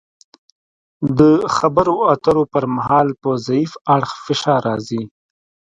د خبرو اترو پر مهال په ضعیف اړخ فشار راځي